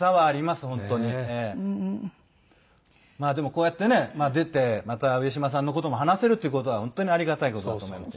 まあでもこうやってね出てまた上島さんの事も話せるっていう事は本当にありがたい事だと思います。